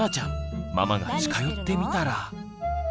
ママが近寄ってみたら。